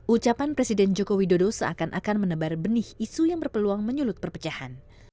ucapan presiden joko widodo seakan akan menebar benih isu yang berpeluang menyulut perpecahan